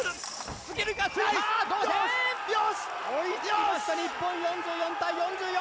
追いつきました、日本、４４対４４。